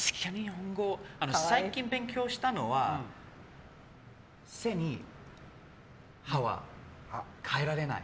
最近勉強したのは背にはは変えられない。